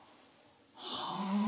はあ。